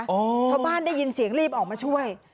ชาวบ้านได้ยินเสียงรีบออกมาช่วย